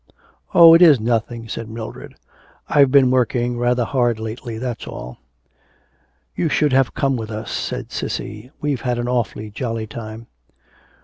'Oh, it is nothing,' said Mildred. 'I've been working rather hard lately, that's all.' 'You should have come with us,' said Cissy. 'We've had an awfully jolly time.'